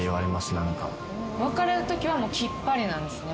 別れるときはきっぱりなんですね